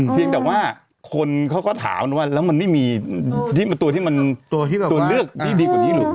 เพียงแต่ว่าเขาถามแต่ว่ามันมีไม่มีตัวที่มันตัวเลือกกว่านี้หรือ